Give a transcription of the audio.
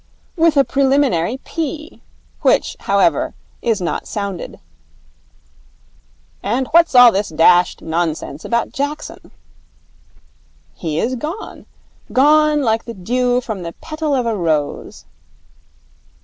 'With a preliminary P. Which, however, is not sounded.' 'And what's all this dashed nonsense about Jackson?' 'He is gone. Gone like the dew from the petal of a rose.'